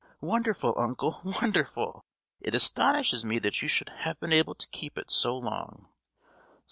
"Wonderful, uncle, wonderful! It astonishes me that you should have been able to keep it so long!"